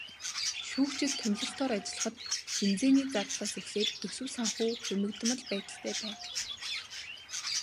Шүүгчид томилолтоор ажиллахад бензиний зардлаас эхлээд төсөв санхүү хумигдмал байдалтай байна.